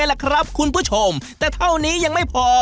ไปเลยใช่ไหมล่ะครับคุณผู้ชมแต่เท่านี้ยังไม่พอ